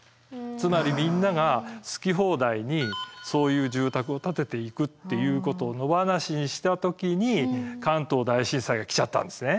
つまりみんなが好き放題にそういう住宅を建てていくっていうことを野放しにした時に関東大震災が来ちゃったんですね。